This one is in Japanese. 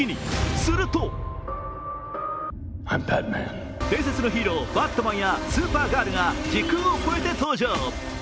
すると伝説のヒーロー・バットマンやスーパーガールが時空を超えて登場。